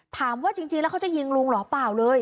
ถามว่าจริงแล้วเขาจะยิงลุงเหรอเปล่าเลย